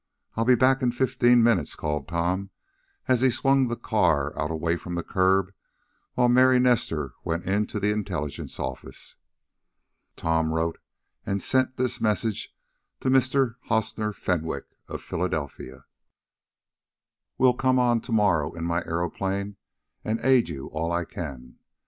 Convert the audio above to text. I'll be back in fifteen minutes," called Tom, as he swung the car out away from the curb, while Mary Nestor went into the intelligence office. Tom wrote and sent this message to Mr. Hostner Fenwick, of Philadelphia: "Will come on to morrow in my aeroplane, and aid you all I can.